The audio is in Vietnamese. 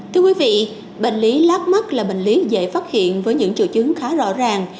thưa quý vị bệnh lý lác mắt là bệnh lý dễ phát hiện với những triệu chứng khá rõ ràng